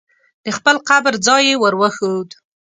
د خپل قبر ځای یې ور وښود.